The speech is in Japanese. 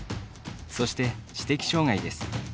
そして知的障がいです。